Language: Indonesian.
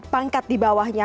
pangkat di bawahnya